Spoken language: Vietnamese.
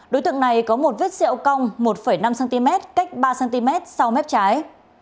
đối tượng này có một vết sẹo cong một năm cm cách ba cm sau mép trái